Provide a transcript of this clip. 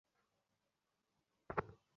তিনি ফাতিমার পুত্র হুসাইনের দুধমাতা ছিলেন।